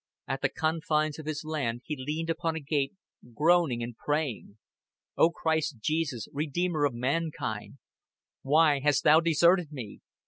At the confines of his land he leaned upon a gate, groaning and praying. "O Christ Jesus, Redeemer of mankind, why hast Thou deserted me?